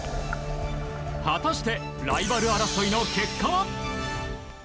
果たしてライバル争いの結果は？